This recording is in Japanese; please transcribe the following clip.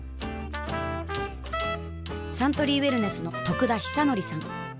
サントリーウエルネスの得田久敬さん